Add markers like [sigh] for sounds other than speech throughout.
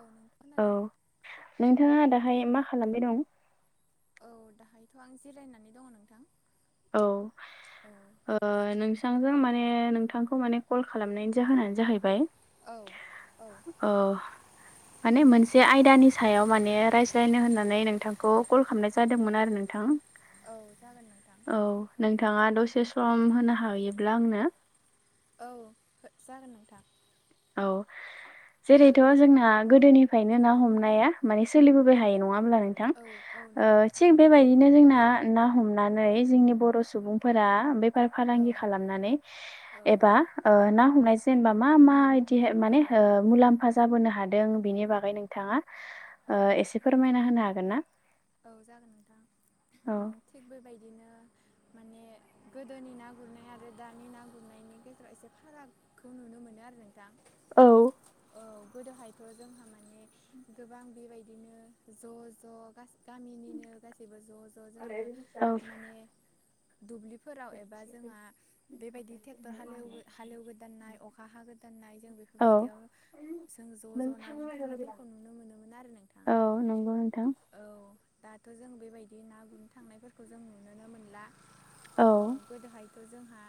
औ नोंथां औ खोनादों नोंथाङा दाहाय मा खालामबाय दं औ दाहायथ' आं जिरायनानै दङ नोंथां औ औ नोंसांजों म माने नोंथांखौ माने कल खालामनायनि जाहोनानो जाहैबाय औ औ माने मोनसे आयदानि सायाव माने रायज्लायनो होननानै नों नोंथांखौ कल खालामनाय जादोंमोन आरो नोंथां औ जागोन नोंथां औ नोंथाङा दसे सम होनो हायोब्ला आंनो औ जागोन नोंथां औ जेरैथ' जोंना गोदोनिफ्रायनो ना हमनाया माने सोलिबोबाय हायो नङा होमब्ला ओ नोंथां औ औ नंगौ नोंथां थिग बेबायदिनो जोंना ना हमनानै जोंनि बर' सुबुंफोरा बे फार औ फालांगि खालामनानै औ एबा ओ ना हमनाय जेनेबा मा मा बिदि औ माने मुलाम्फा जाबोनो हादों बिनि बागै नोंथाङा औ एसे ओ फोरमायना होनो हागोन ना औ जागोन औ नोंथां थिग बेबायदिनो माने [inaudible] गोदोनि ना गुरनाय आरो दानि ना गुरनायनि गेजेराव एसे फारागखौ नुनो मोनो आरो नोंथां औ औ गोदोहायथ' जोंहा माने गोबां बेबायदिनो ज' ज' गासैबो गामिनिनो गासैबो ज' ज' जोङो औ माने दुब्लिफोराव एबा जोंहा बेबायदि ट्रेक्टर हालेव हालेवगोदाननाय अखा हा गोदाननाय नाय जों औ बेफोरबायदियाव जों ज' ज' ना गुर थांनायफोरखौ नुनो मोनोमोन आरो नोंथां नोंगौ नोंथां औ दाथ' जों बेबायदि ना गुरनो थांनायफोरखौ जों नुुनोनो मोनला औ गोदोहाय थ' जोंहा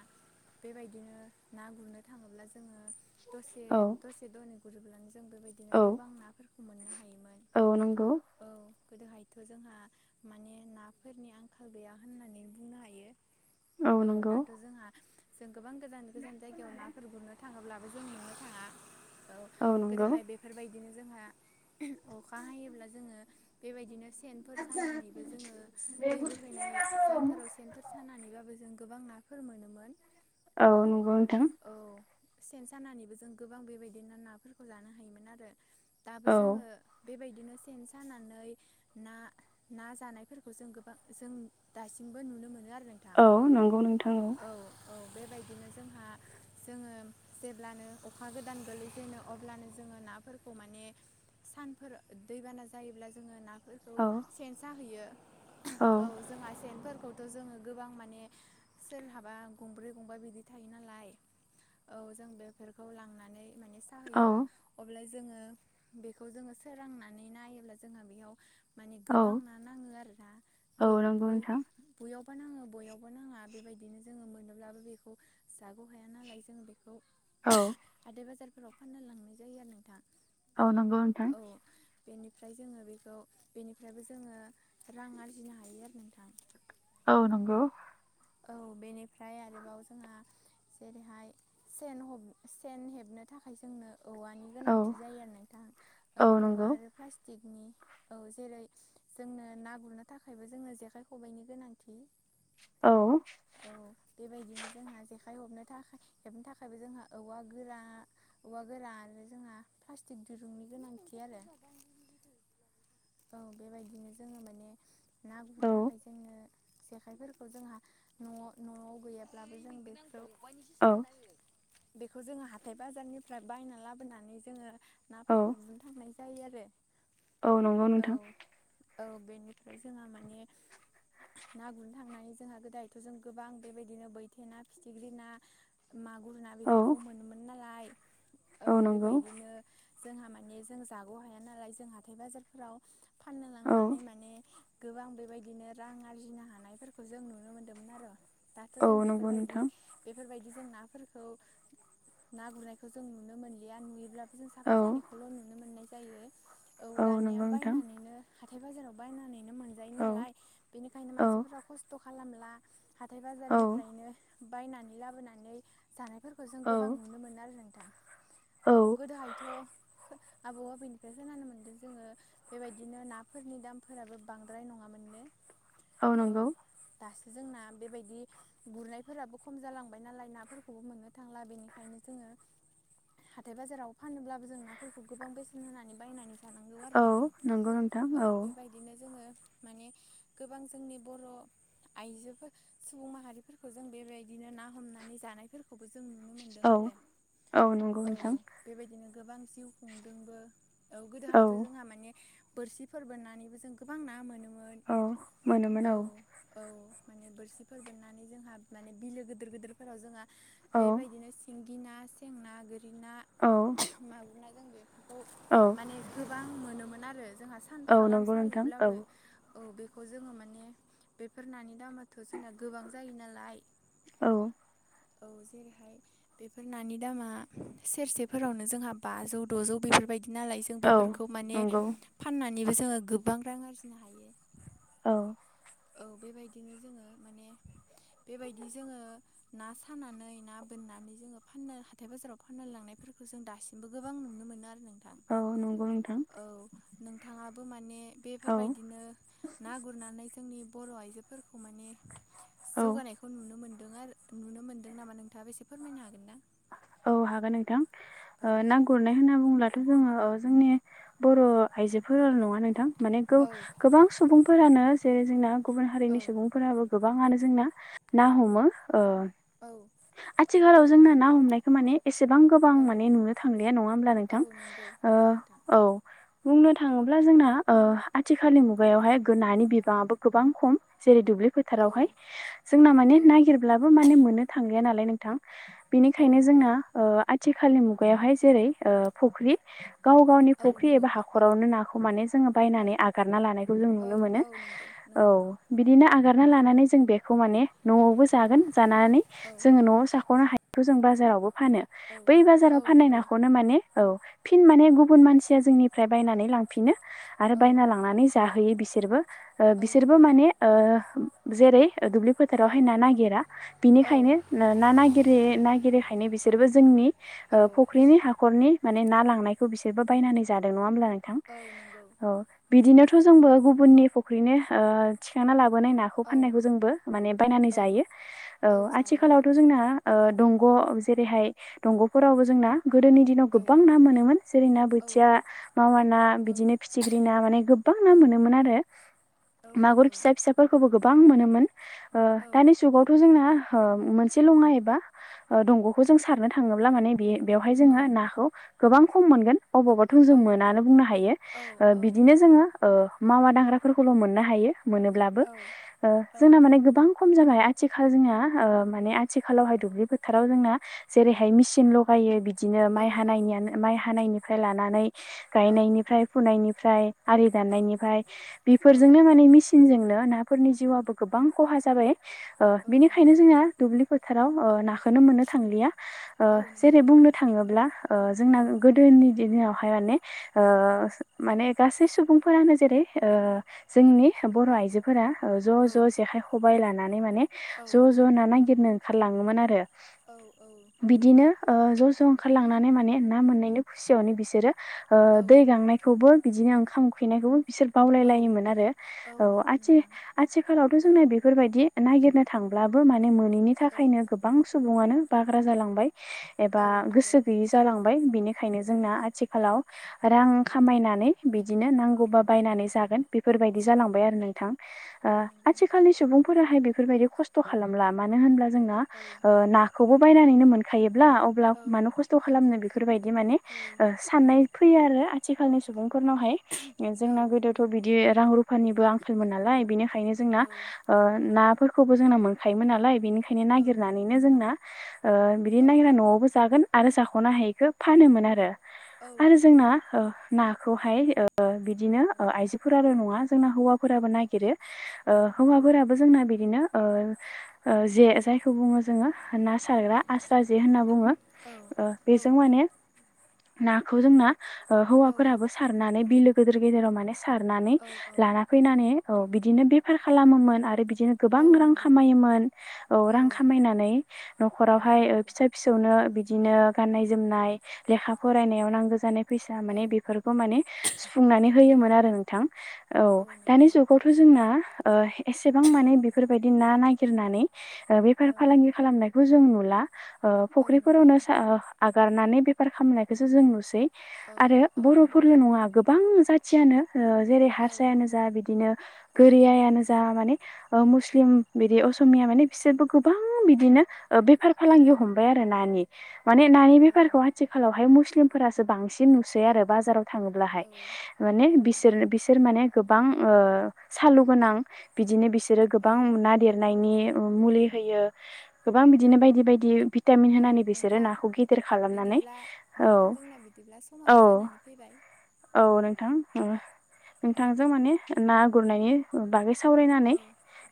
बेबायदिनो ना गुरनो थाङोब्ला जोङो दसे औ दसे दनै गुरोब्लानो जों बेबायदिनो औ गोबां नाफोरखौ मोननो हायोमोन औ नंगौ औ गोदोहाय थ' जोंहा माने नाफोरनि आंखाल गैया होननानै बुंनो हायो औ दाथ' जोंहा जों गोबां गोजान गोजान जायगायाव नाफोर गुरनो था थाङोब्लाबो जोंनियावनो थाङा औ गोदोहाय बेफोरबायदि बिदिनो जोंहा अखा हायोब्ला जोङो बेबायदि सेनफोर सानानैबो जोङो दै बोहैनाय जानफोराव सेनफोर सानानैबाबो जों गोबां नाफोर मोनोमोन औ नंगौ नोंथां औ सेन जानानैबो जों गोबां बेबायदिनो नाफोरखौ जानो हायोमोन आरो दाबो औ जोङो बेबायदिनो सेन सानानै ना ना जानायफोरखौ जों गोबां जों दासिमबो नुनो मोनो आरो नोंथां औ नंगौ नोंथां औ औ बेबायदिनो जोंहा जोङो जेब्लानो अखा गोदान गोलैजेनो अब्लानो जोङो नाफोरखौ माने सानफोर दैबाना जायोब्ला जोङो ना खौ सेन साहैयो औ जोंहा सेनफोरखौ खौथ' जोङो गोबां माने सोरहाबा गंब्रै गंबा बिदि थायो नालाय औ जों बेफोरखौ लांनानै माने औ साहैयो अब्ला जोङो बेखौ जोङो सोरांनानै नायोब्ला जोंहा बेयाव माने औ गोबां ना नाङो आरो ना औ बै नंगौ नोंथां बैयाव बो नाङो बयावबो नाङा बेबायदिनो जोङो मोनोब्लाबो बेखौ जागौ हाया नालाय जों बेखौ औ बेखौ हाथाइ बाजारफोराव फाननो लांनाय जायो आरो नोंथाङा औ नांगौ नोंथां बेनिफ्राय जोङो बेखौ बेनिफ्रायबो जोङो रां आरजिनो हायो आरो नोंथां औ नंगौ औ बेनिफ्राय आरोबाव जोंहा जेरैहाय सेन ह सेन हेबनो थाखाय जोंनो औवानि औ गोनांथि जायो आरो नोंथां औ औवा आरो प्लास्टिकनि औ जेरै जोंनो ना गुरनो थाखायबो जोंनो जेखाइ खबाइनि गोनांथि औ औ बेबायदिनो जोंहा जेखाइ हबनो थाखाय हेबनो थाखायबो जोंहा औवा गोरा औवा गोरान आरो जोंहा प्लास्टिक दिरुंनि गोनांथि आरो [inaudible] औ बेबायदिनो जोङो माने ना गुरनो औ थाखाय जोंनो जेखाइफोरखौ जोंहा न' न'आव गैयाब्लाबो जों बेफोराव औ बेखौ जोङो हाथाय बाजारनिफ्राय बायना लाबोनानै जोङो औ नाफोरखौ गुरनो थांनाय जायो आरो औ नंगौ औ नोंथां औ बेनिफ्राय जोंहा माने ना गुरनो थांनानै जोंहा गो दायथ'जों गोबां बेबायदिनो बैथे ना फिथिग्रि ना मागुर ना औ बेफोरखौ मोनोमोन नालाय औ बेबायदिनो जोंहा माने जों जाग' हाया नालाय जों हाथथाय बाजारफोराव फाननो औ लांनानै माने गोबां बेबायदिनो रां आरजिनो हानायफोरखौ जों नुनो मोनदों दाथ' औ नंगौ जोंफोरबाय नोंथां बेफोरबायदि जों नाफोरखौ ना गुरनायखौ जों नुनो मोनलिया नुयोब्ला जों साफा औ जानायखौल नुनो मोननाय जायो औ दानिया नंगौ नोंथां बायनानैनो हथायाइ बाजाराव बायनानैनो मोनजायो औ नालाय बेनिखायनो औ मानसिफोरा खस्थ खालामला हाथाय औ बाजारनिफ्रायनो बायनानै लाबोनानै जानायफोरखौ जों औ गोबां नुनो मोनो आरो नोंथां औ गोदोहायथ आबौ आबैनिफ्राय खोनानो मोन्दों जोङो बेबायदिनो नाफोरनि दामफोराबो बांद्राय नङामोननो आ औ नांगौ दासो जोंना बेबायदि गुरनायफोराबो खम जालांबाय नालाय नाफोरखौबो मोननो थांला बेनिखायनो जोङो [inaudible] हाथाय बाजाराव फानोब्लाबो जों नाफोरखौ गोबां बेसेन होनानै बायनानै जानांगौ आरो औ नोंथां नंगौ नोंथां औ बेबायदिनो जोङो माने गोबां जोंनि बर' आइजोफोर सुबुं माहारिफोरखौ जों बेबायदिनो ना हमनानै जानायफोरखौ खौबो जों नुनो मोनदों औ आरो औ नंगौ औ नोंथां बेबायदिनो गोबां जिउ खुंदोंबो औ गोदोहायथ‌ जोंहा माने बोरसिफोर बोननानैबो जों गोबां ना मोनोमोन औ मोनोमोन औ औ बोरसिफोर बोननानै जोंहा मानै बिलो गिदिर गिदिरफोराव जोंङो औ बि ना सेंना गोरि ना औ मागुर ना जों औ माने गोबां मोनोमोन आरो जोंहा औ सानफा गाम नंगौ नोंथां औ साहैब्लाबो औ बेखौ जोङो माने बेफोर नानि दामाथ जोंना गोबां जायो नालाय औ औ जेरैहाय बेफोर नानि दामा सेरसेफोरावनो जोंहा बाजौ दजौ बेफोरबायदि नालाय जों औ बेफोरखौ माने नंगौ फाननानैबो जोङो गोबां रां आरजिनो हायो औ औ बेबायदिनो जोङो माने बेबायदि जोङो ना सानानै ना बोननानै जोङो फाननो हाथाय बाजाराव फाननो लांनाय फोरखौ जों दासिमबो गोबां नुनो मोनो आरो नों औ नंगौ नोंथां बो माने औ बेफोरबायदिनो ना गुरनानै जोंनि बर आइजोफोरखौ माने औ जौगानायखौ नुनो मोनदों आरो नुनो मोनदों नामा नोंथाङाबो एसे फोरमायनो हागोन ना औ हागोन नोंथां औ ना गुरनाय होनना बुंब्ला दाथ जोङो जोंनि बर आइजोफोर नङा नोंथां माने औ गोबां सुबुंफोरानो जेरै जोंना गुबुन औ हारिनि सुबुंफोराबो गोबाङानो जोंना ना हमो औ आथिखालाव जोंनो ना हमनायखौ माने एसेबां गोबां औ माने नुनो थांलिया नङा होमब्ला औ नोंथां नंगौ नंगौ नोंथां औ बुंनो थाङोब्ला जोंना ओ आथिखालनि मुगायावहाय नानि बिबाङाबो गोबां खम जेरै दुब्लि औ फोथारावहाय जोंना माने औ ननायागिरब्लाबो माने मोननो थांलिया नालाय नोंथां औ बिनिखायनो नंगौ जोंना आथिखालनि मुगायावहाय जेरै फुख्रि गाव गावनि औ फुख्रि नंगौ एबा हाखरावनो नाखौ माने जोङो बायनानै आगारना लानायखौ जों औ नुनो मोनो औ नंगौ नंगौ लानानै जों बेखौ माने नयावबो जागोन जानानै औ जों जाखनो हायि बाजाराव औ औ नंगौ फाननो औ फिन माने गुबुन मानसिया जोंनिफ्राय बायनानै लांफिनो आरो औ बायना लांनानै जाहोयो बिसोरबो औ बिसोरबो नंगौ माने जेरै दुब्लि औ फोथारावहाय ना नागिरा औ बिनिखायनो ना नागिर खायनो बिसोरबो जोंनि औ फख्रिनि हाखरनि माने ना लांनायखौ बिसोरबो बायनानै जादों नंङा होमब्ला नोंथां औ नंगौ औ बिदिनो मोजांबो गुबुननि फुख्रिनो थिखांना लाबो बाय नाखौ औ फाननायखौ जोंबो माने बायनानै औ जायो औ आथिखालावथ' जोंना दंग' जेरैहाय दंग'फोरावबो जोंना गोदोनि दिनाव औ गोबां ना मोनोमोन जेरै ना औ बोथिया मावा ना औ बिदिनो फिथिख्रि ना माने गोबां ना औ मोनोमोन आरो औ मागुर नंगौ फिसा फिसाफोरखौबो मोनो गोबां मोनोमोन औ दानि जुगावथ' जोंना मोनसे लंङा एबा दंग'खौ जों सारनो थांङोब्ला माने बे बेवहाय औ जोंङो नाखौ गोबां खम मोनगोन अबावबा थोंजों औ नंगौ मोनानो बुंनो हायो औ औ बिदिनो जोंङो मावा दांग्राफोरखौल' मोननो हायो मोनोब्लाबो औ औ जोंना माने गोबां खम जाबाय आथिखाल जोंना माने आथिखालावहाय दुब्लि फोथाराव जोंना जेरैहाय मेचिन लगायो बिदिनो औ माइ हानायनि माइ हानायनिफ्राय लानानै गायनायनिफ्राय फुनायनिफ्राय आरि दाननायनिफ्राय औ बेफोरजोंनो माने मेसिनजोंनो फोरनि जिउआबो गोबां खहा जाबाय बेनिखायनो नंगौ जोंना दुब्लि फोथाराव ना खौनो मोननो थांलिया औ नंगौ जेरै नोंथां बुंनो थांङोब्ला जोंना औ गोदोनि दिनावहाय माने माने गासै सुबुंफोरानो जेरै जोंनि बर' औ आइजोफोरा ज' औ ज' जेखाइ खबाइ लानानै माने औ ज' ज' ना नागिरनो लांयोमोन आरो बिदिनो ज' ज' ओंखारलांनानै माने ना मोननायनि खुसियावनो बिसोरो औ दै गांनायखौबो बिदिनो ओंखाम उखैनायखौबो बिसोर बावलाय औ लायोमोन आरो औ नंगौ आथि नोंथां आथिखालावथ' औ जोंना बेफोरबायदि नागिरना थांब्लाबो माने मोनैनि औ थाखायनो गोबां सुबुंङानो बाग्रा जालांबाय एबा औ नंगौ गोसो गैयि जालांबाय बिनिखायनो औ जोंना आथिखालाव रां औ खामायनानै बिनो औ नांगौबा बायनानै जागोन औ औ नंगौ नोंथां आथिखालनि सुबुंफोराहाय बेफोरबायदि खस्थ' खालामला मानो होनब्ला जोंना औ नाखौबो बायनानैनो मोनखायो अब्ला औ मानो खस्थ' खालामनो बेफोरबायदि माने साननाय फैयो आरो आथिखालनि सुबुं फोरनावहाय औ नंगौ औ जोंना गोदोथ' बिदि रां रुफानिबो आंखालमोन नालाय बिनि ओंखायनो जोंना औ नाफोरखौबो जोंना मोनखायोमोन नालाय बेनिखायनो नागिरनानैनो जोंना बिदि औ [unintelligible] न'आवबो जागोन आरो जाख'नो हायिखौ फानोमोन आरो औ आरो नंगौ जोंना ना खौहाय बिदिनो औ आइजोफोराल' नंङा जोंना हौवाफोराबो नागिरो औ नंगौ हौवाफोराबो जोंना बिदिनो जे जायखौ बुंङो जोङो ना सारग्रा आस्रा जे होनना बुंङो औ बेजों नंगौ माने नाखौ जोंना औ हौवाफोराबो नंगौ सारनानै बिलो गिदिर गेदेराव माने सारनानै लाना औ फैनानै बेफार खालामोन बि बिदिनो गोबां औ रां नंगौ खामायोमोन औ रां खामायनानै न'खरावहाय फिसा फिसौनो बिदिनो गाननाय जोमनाय लेखा फरायनायाव नांगौ जानाय फैसा माने बेफोरखौ माने सुफुंनानै होयोमोन आरो नोंथां औ दानि जुगावथ' जों ना ओ एसेबां माने बेफोरबायदि ना नागिर नानै बेफार फालांगि खालामनायखौ जों नुला ओ फुख्रिफोरावनो आ गारनानै बेफार खालामनायखौसो जों नुसै औ आरो औ नंगौ बर'फोरल' नङा गोबां जाथियानो ओ जेरै औ हारसायानो जा बिदिनो औ गोरियायानो जा बेफोरबायदिनो माने मुस्लिम बिदि असमिया माने बिसोरबो गोबां बिदिनो ओ बेफार औ फालांगियाव हमबाय आरो नानि। माने नानि बेफारखौ औ आथिखालावहाय मुस्लिमफोरासो बांसिन नुसै आरो बाजाराव थाङोब्ला हाय औ माने औ नंगौ बिसोर बिसोर माने गो बां ओ सालु गोनां बिदिनो बिसोरो औ गोबां ना देरनायनि मुलि होयो। गोबां औ बिदिनो बायदि बायदि भिटामिन औ होनानै बिसोरो नोंथां नाखौ गेदेर खालामनानै बिदिब्ला औ जोंना नोंथां औ समाबो जानानै फैबाय औ नोंथां नों नोंथां जों माने ना गुरनायनि बागै सावरायनानै औ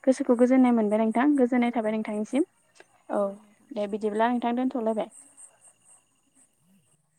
गोसोखौ औ गोजोन्नाय मोनबाय। नोंथां औ गोजोननाय थाबाय नंगौ नोंथां नोंथांनिसिम औ दे बिदिब्ला नोंथां दोनथ'लायबाय।